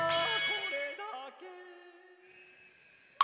これだけ！